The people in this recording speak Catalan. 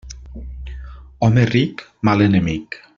Home ric, mal enemic.